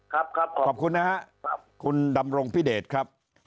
ครับครับขอบคุณนะครับคุณดำรงพิเดชครับ